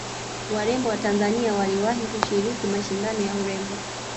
warembo wa tanzania waliwahi kushiriki mashindano ya urembo